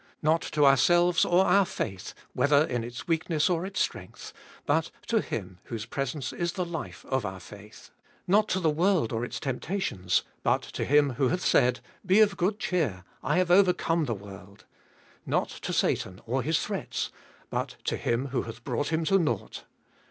Not to ourselves or our faith, whether in its weakness or its strength, but to Him whose presence is the life of our faith. Not to the world or its temptations, but to Him who hath said : Be of good cheer, I have overcome tJie world. Not to Satan or his threats, but to Him who hath brought him to naught.